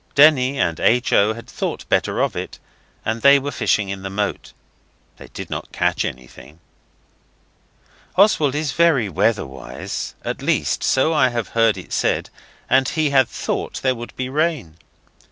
Denny and H. O. had thought better of it, and they were fishing in the moat. They did not catch anything. Oswald is very weather wise at least, so I have heard it said, and he had thought there would be rain.